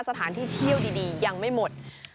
สถานที่เที่ยวดียังไม่หมด